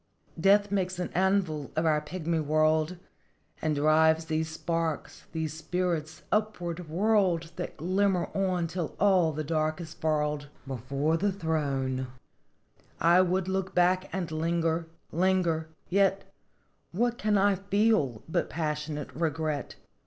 " Death makes an anvil of our pigmy world, And drives these sparks these spirits upward whirled That glimmer on till all the dark is furled, Before the throne ! JHotljs. 67 " I would look back and linger, linger yet What can I feel but passionate regret?